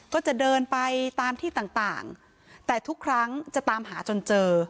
ก็จะเดินไปตามที่ต่างแต่ทุกครั้งจะตามหาจนเจอ